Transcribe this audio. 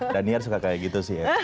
daniar suka kayak gitu sih ya